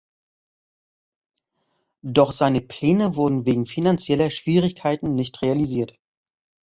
Doch seine Pläne wurden wegen finanzieller Schwierigkeiten nicht realisiert.